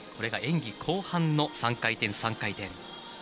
演技後半の３回転、３回転。